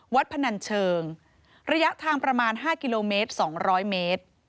พนันเชิงระยะทางประมาณ๕กิโลเมตร๒๐๐เมตร